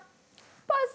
パス！